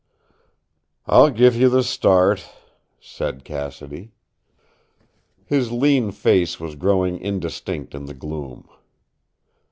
"I'll give you the start," said Cassidy. His lean face was growing indistinct in the gloom.